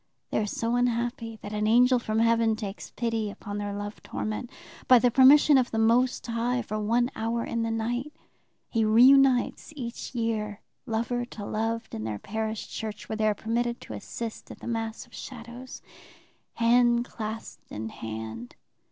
They are so unhappy that an angel from heaven takes pity upon their love torment. By the permission of the Most High, for one hour in the night, he reunites each year lover to loved in their parish church, where they are permitted to assist at the Mass of Shadows, hand clasped in hand.